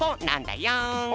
なんだよ。